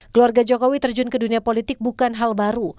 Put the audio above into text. keluarga jokowi terjun ke dunia politik bukan hal baru